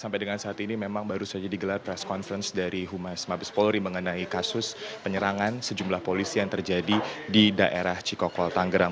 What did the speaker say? sampai dengan saat ini memang baru saja digelar press conference dari humas mabes polri mengenai kasus penyerangan sejumlah polisi yang terjadi di daerah cikokol tanggerang